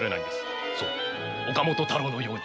そう岡本太郎のように。